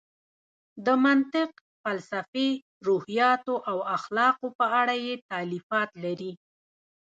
د منطق، فلسفې، روحیاتو او اخلاقو په اړه یې تالیفات لري.